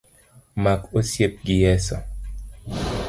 Mak osiep gi Yeso.